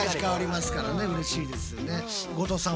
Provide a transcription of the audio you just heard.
後藤さん